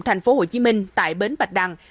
thành phố hồ chí minh tại bến bạch đăng